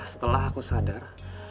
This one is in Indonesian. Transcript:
setelah aku sadar